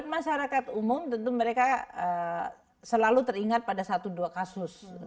masyarakat umum tentu mereka selalu teringat pada satu dua kasus